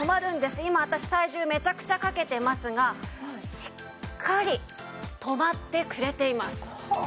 今私体重めちゃくちゃかけてますがしっかり止まってくれています。